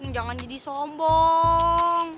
jangan jadi sombong